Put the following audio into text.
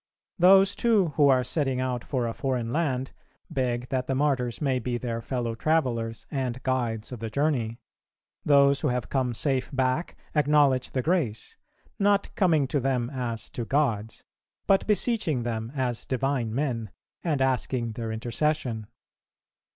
Those too who are setting out for a foreign land beg that the Martyrs may be their fellow travellers and guides of the journey; those who have come safe back acknowledge the grace, not coming to them as to gods, but beseeching them as divine men, and asking their intercession.